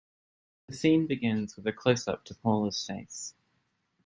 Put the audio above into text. The scene begins with a closeup to Paula's face.